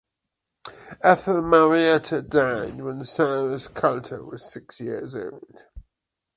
Ethel Marietta died when Cyrus Colter was six years old.